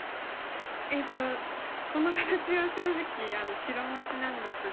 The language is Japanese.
えっとこの形は正直白持ちなんですが。